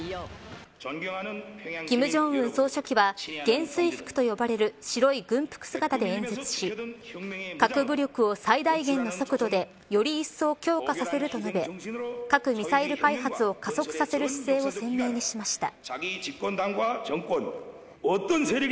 金正恩総書記は元帥服と呼ばれる白い軍服姿で演説し核武力を最大限の速度でよりいっそう強化させると述べ核ミサイル開発を加速させる姿勢を明確にしました。